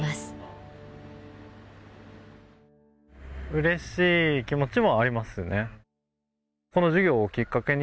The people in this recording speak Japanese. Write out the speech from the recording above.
うれしい気持ちもありますね。